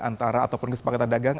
antara ataupun kesepakatan dagang